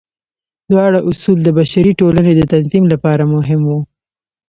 دواړه اصول د بشري ټولنې د تنظیم لپاره مهم وو.